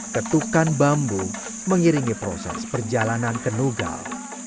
ketukan bambu mengiringi proses perjalanan ke nugal